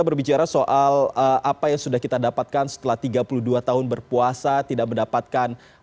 berbicara soal apa yang sudah kita dapatkan setelah tiga puluh dua tahun berpuasa tidak mendapatkan